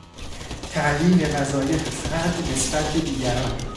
تعیین وظایف فرد نسبت به دیگران